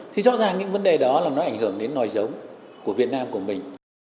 thì rõ ràng những vấn đề đó là nó ảnh hưởng đến nòi giống của việt nam của mình